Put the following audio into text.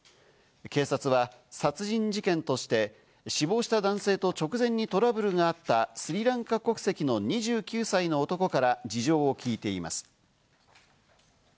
警察は殺人事件として死亡した男性と直前にトラブルがあったスリランカ国籍の２９歳の男から事情を聞いています。